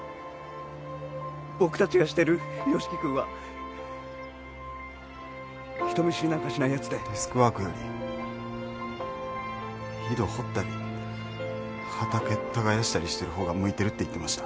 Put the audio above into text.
僕達が知ってる由樹君は人見知りなんかしないやつでデスクワークより井戸掘ったり畑耕したりしてるほうが向いてるって言ってました